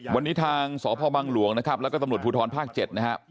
วันนี้ทางสพบังหลวงนะครับแล้วก็ตำรวจภูทรภาค๗นะครับ